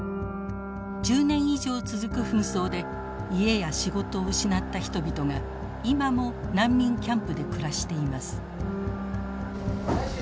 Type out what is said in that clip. １０年以上続く紛争で家や仕事を失った人々が今も難民キャンプで暮らしています。